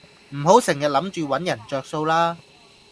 唔好成人諗住搵人着數啦